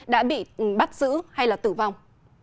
đã bị bắt giữ hay tử vong